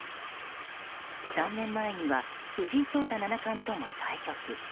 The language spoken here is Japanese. ３年前には藤井聡太七冠とも対局。